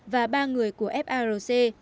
và ba người của farc